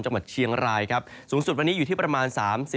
จังหวัดเชียงรายครับสูงสุดวันนี้อยู่ที่ประมาณ๓๐